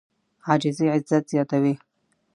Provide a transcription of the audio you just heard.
عاجزي عزت زیاتوي.